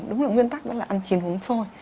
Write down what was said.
đúng là nguyên tắc là ăn chín uống xôi